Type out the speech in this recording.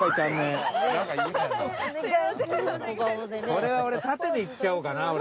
これは俺縦でいっちゃおうかな俺。